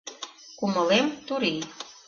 Кумылем — турий.